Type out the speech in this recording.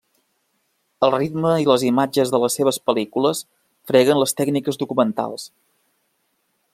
El ritme i les imatges de les seves pel·lícules freguen les tècniques documentals.